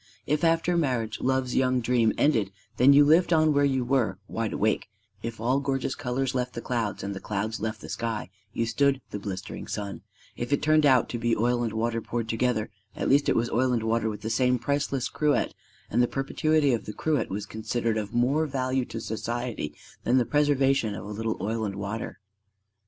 If after marriage love's young dream ended, then you lived on where you were wide awake; if all gorgeous colors left the clouds and the clouds left the sky, you stood the blistering sun; if it turned out to be oil and water poured together, at least it was oil and water within the same priceless cruet: and the perpetuity of the cruet was considered of more value to society than the preservation of a little oil and water.